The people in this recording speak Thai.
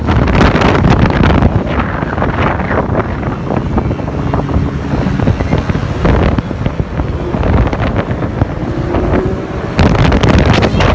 แต่ว่าเมืองนี้ก็ไม่เหมือนกับเมืองอื่น